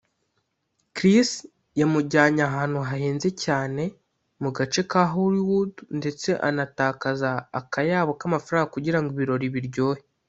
Chris yamujyanye ahantu hahenze cyane mu gace ka Hollywood ndetse anatakaza akayabo k’amafaranga kugirango ibirori biryohe